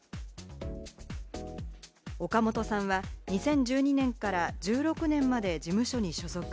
オカモトさんは２０１２年から１６年まで事務所に所属。